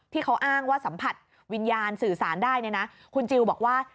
ที่เขาอ้างว่าสัมผัสวิญญาณสื่อสารได้เนี่ยนะคุณจิลบอกว่า